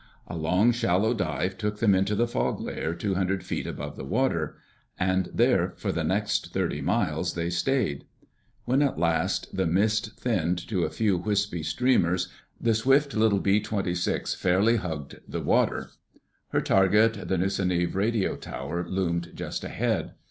A long, shallow dive took them into the fog layer two hundred feet above the water. And there, for the next thirty miles, they stayed. When at last the mist thinned to a few wispy streamers the swift little B 26 fairly hugged the water. Her target, the Nusanive radio tower, loomed just ahead.